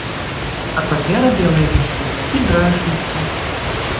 А папера белая вісіць і дражніцца.